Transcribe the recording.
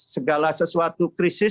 segala sesuatu krisis